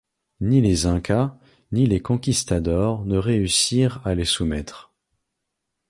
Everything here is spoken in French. Ni les Incas ni les Conquistadors ne réussirent à les soumettre.